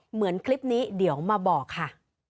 เหมือนคลิปนี้เดี๋ยวมาบอกค่ะ